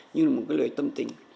như một cái lời tâm tình